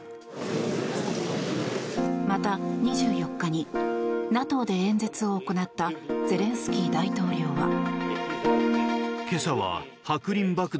また２４日にＮＡＴＯで演説を行ったゼレンスキー大統領は。